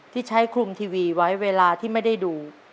ที่ใช้คลุมทีวีไว้เวลาที่ไม่ได้ดู